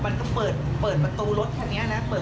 พูดแบบนี้เพราะพี่มันก็กระโดดลงมาจากกำแพง